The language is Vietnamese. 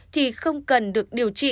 thì không cần được điều trị